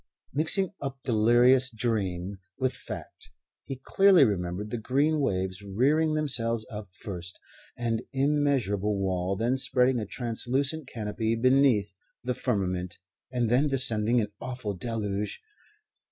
Mixing up delirious dream with fact, he clearly remembered the green waves rearing themselves up first, an immeasurable wall, then spreading a translucent canopy beneath the firmament and then descending in awful deluge.